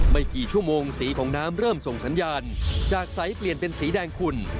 ไม่กี่ชั่วโมงสีของน้ำเริ่มส่งสัญญาณจากใสเปลี่ยนเป็นสีแดงขุ่น